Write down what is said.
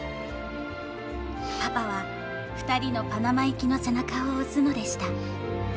パパは２人のパナマ行きの背中を押すのでした。